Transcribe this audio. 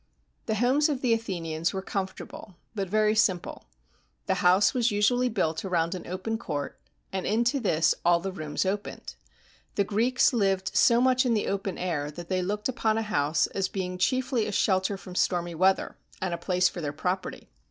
The homes of the Athenians were comfortable, but very simple. The house was usually built around an open court, and into this all the rooms opened. The Greeks lived so much in the open air that they looked upon a house as being chiefly a shelter from stormy weather and a place for their property.